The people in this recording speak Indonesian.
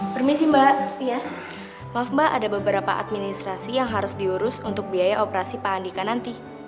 permisi mbak maaf mbak ada beberapa administrasi yang harus diurus untuk biaya operasi pak andika nanti